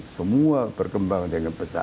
semua berkembang dengan pesat